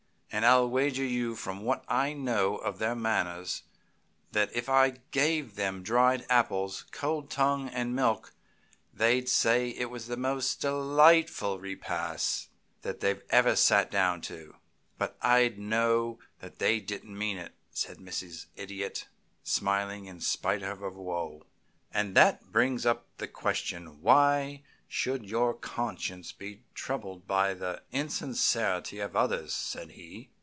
And I'll wager you from what I know of their manners that if you gave them dried apples, cold tongue, and milk they'd say it was the most delightful repast they ever sat down to." "But I'd know they didn't mean it," said Mrs. Idiot, smiling in spite of her woe. "And that brings up the question, why should your conscience be troubled by the insincerity of others?" said he.